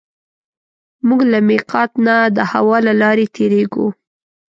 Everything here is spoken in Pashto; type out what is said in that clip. موږ له مېقات نه د هوا له لارې تېرېږو.